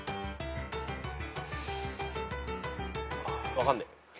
分かんね。